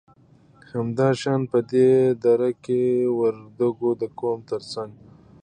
همدا شان په دې دره کې د وردگو د قوم تر څنگ